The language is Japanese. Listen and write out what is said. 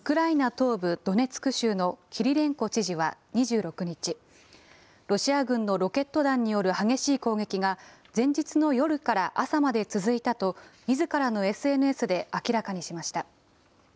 東部ドネツク州のキリレンコ知事は２６日、ロシア軍のロケット弾による激しい攻撃が、前日の夜から朝まで続いたと、みずからのＳＮＳで明らかにしました。